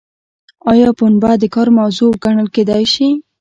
ایا پنبه د کار موضوع ګڼل کیدای شي؟